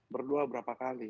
berdoa berapa kali